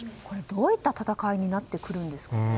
どういった戦いになってくるんですかね。